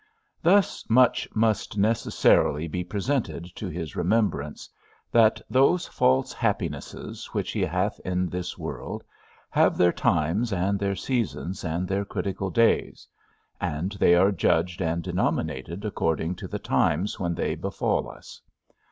Thus much must necessarily be presented to his remembrance, that those false happinesses which he hath in this world, have their times, and their seasons, and their critical days; and they are judged and denominated according to the times when they befall us.